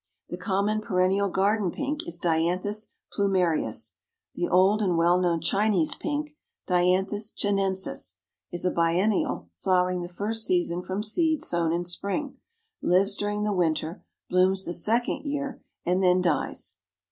The common perennial garden Pink is Dianthus Plumarias. The old and well known Chinese Pink, Dianthus Chinensis, is a biennial, flowering the first season from seed sown in spring, lives during the winter, blooms the second year, and then dies.